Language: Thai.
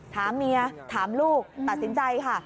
ถามเมียถามลูกตัดสินใจค่ะ